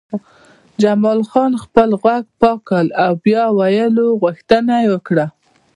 جمال خان خپل غوږ پاک کړ او د بیا ویلو غوښتنه یې وکړه